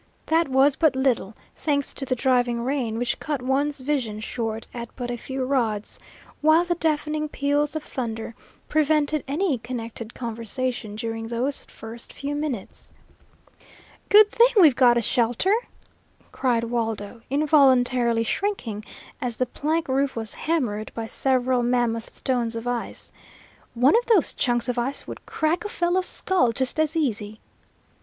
That was but little, thanks to the driving rain, which cut one's vision short at but a few rods, while the deafening peals of thunder prevented any connected conversation during those first few minutes. "Good thing we've got a shelter!" cried Waldo, involuntarily shrinking as the plank roof was hammered by several mammoth stones of ice. "One of those chunks of ice would crack a fellow's skull just as easy!"